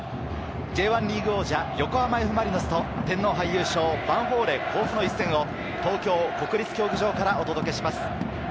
Ｊ１リーグ王者・横浜Ｆ・マリノスと天皇杯優勝・ヴァンフォーレ甲府の一戦を東京国立競技場からお届けします。